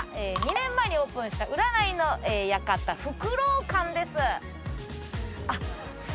２年前にオープンした占いの館ふくろう館です。